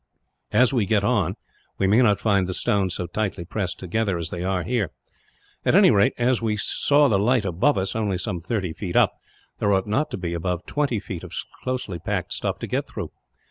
As we get on, we may not find the stones so tightly pressed together as they are, here. At any rate, as we saw the light above us, only some thirty feet up, there ought not to be above twenty feet of closely packed stuff to get through.